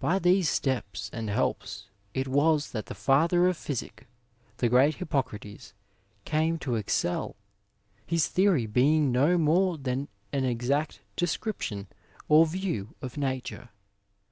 By these steps and helps it was that the father of physic, the great Hippocrates, came to excel, his theory being no more than an exact description or view of Nature.